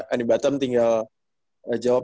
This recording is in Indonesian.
andi batam tinggal jawab